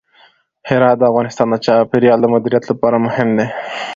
هرات د افغانستان د چاپیریال د مدیریت لپاره مهم دی.